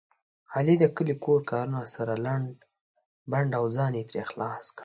علي د کلي کور کارونه سره لنډ بنډ او ځان یې ترې خلاص کړ.